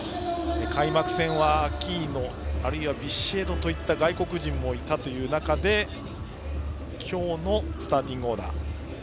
開幕戦はアキーノあるいはビシエドといった外国人もいたという中で今日のスターティングオーダー。